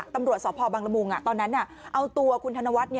ตำรวจสพบังละมุงตอนนั้นเอาตัวคุณธนวัฒน์